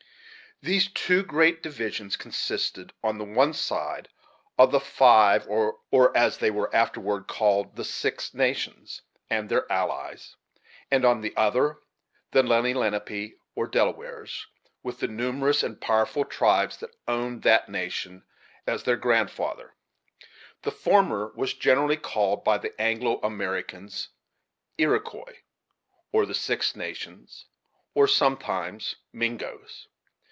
These two great divisions consisted, on the one side, of the Five, or, as they were afterward called, the Six Nations, and their allies; and, on the other, of the Lenni Lenape, or Delawares, with the numerous and powerful tribes that owned that nation as their grandfather The former was generally called, by the Anglo Americans Iroquois, or the Six Nations, and sometimes Mingoes.